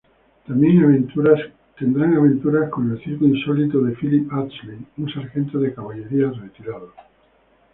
Tendrán aventuras con el circo insólito de Philip Astley, un sargento de caballerías retirado.